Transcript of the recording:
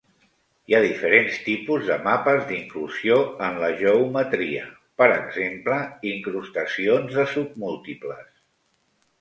Hi ha diferents tipus de mapes d'inclusió en la geometria: per exemple, incrustacions de submúltiples.